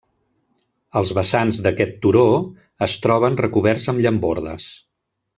Els vessants d'aquest turó es troben recoberts amb llambordes.